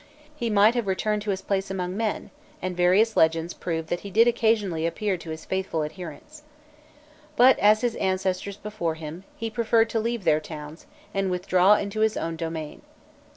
He might have returned to his place among men, and various legends prove that he did occasionally appear to his faithful adherents. But, as his ancestors before him, he preferred to leave their towns and withdraw into his own domain.